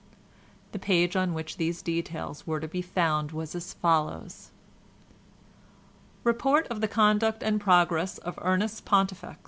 The page on which these details were to be found was as follows: REPORT OF THE CONDUCT AND PROGRESS OF ERNEST PONTIFEX.